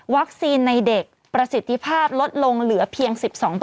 ในเด็กประสิทธิภาพลดลงเหลือเพียง๑๒